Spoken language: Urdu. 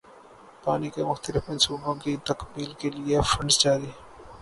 پانی کے مختلف منصوبوں کی تکمیل کیلئے فنڈز جاری